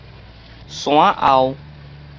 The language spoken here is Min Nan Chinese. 山仔後